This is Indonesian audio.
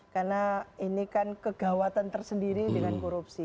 karena ini kan kegawatan tersendiri dengan korupsi